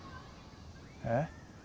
えっ？